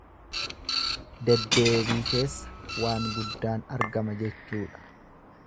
Deddeebii keessa waan guddaan argama jechuudha.